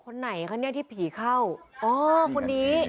คนไหนคะเนี่ยที่ผีเข้าอ๋อคนนี้